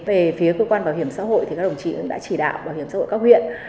về phía cơ quan bảo hiểm xã hội thì các đồng chí cũng đã chỉ đạo bảo hiểm xã hội các huyện